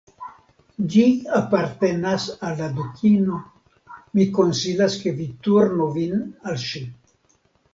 Ĝi apartenas al la Dukino; mi konsilas ke vi turnu vin al ŝi.